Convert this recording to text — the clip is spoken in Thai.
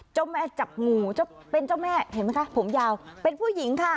เจ้าแม่จับงูเจ้าเป็นเจ้าแม่เห็นไหมคะผมยาวเป็นผู้หญิงค่ะ